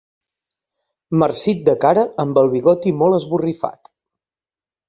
Marcit de cara, amb el bigoti molt esborrifat.